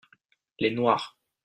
les noires.